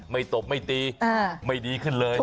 ตบไม่ตีไม่ดีขึ้นเลย